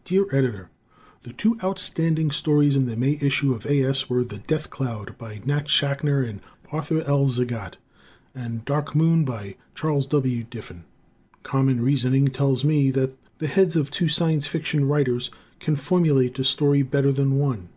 _ Dear Editor: The two outstanding stories in the May issue of A. S. were "The Death Cloud," by Nat Schachner and Arthur L. Zagat, and "Dark Moon," by Charles W. Diffin. Common reasoning tells me that the heads of two Science Fiction writers can formulate a story better than one.